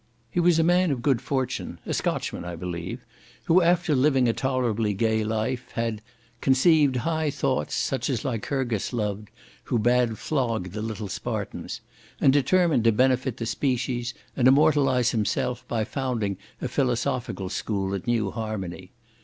He was a man of good fortune, (a Scotchman, I believe), who after living a tolerably gay life, had "conceived high thoughts, such as Lycurgus loved, who bade flog the little Spartans," and determined to benefit the species, and immortalize himself, by founding a philosophical school at New Harmony.